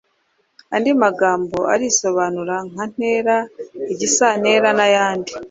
andi magambo arisobanura nka ntera, igisantera, n’ayandi.